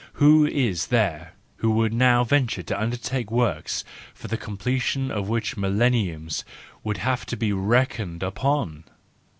Who is there who would now venture to undertake works for the completion of which millenniums would have to be reckoned upon